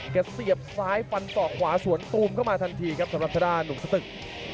เสียบซ้ายฟันศอกขวาสวนตูมเข้ามาทันทีครับสำหรับทางด้านหนุ่มสตึก